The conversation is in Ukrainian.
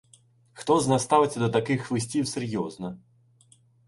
Хто з нас ставиться до таких листів серйозно?